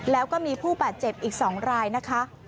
แล้วก็มีผู้บาดเจ็บอีก๒รายนะคะ